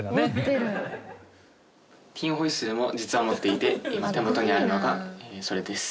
ティン・ホイッスルも実は持っていて今手元にあるのがそれです。